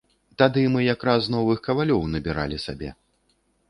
Тады мы якраз новых кавалёў набіралі сабе.